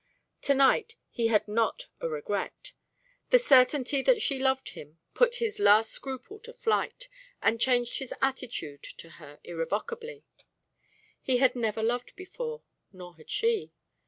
To night he had not a regret. The certainty that she loved him put his last scruple to flight, and changed his attitude to her irrevocably. He had never loved before, nor had she.